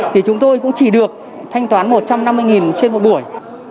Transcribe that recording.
thì chúng tôi cũng chỉ được thanh toán một trăm năm mươi trên một buổi